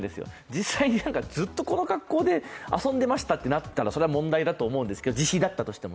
実際にずっとこの格好で遊んでいましたってなったらそれは問題だと思うんですけれども、自費だったとしても。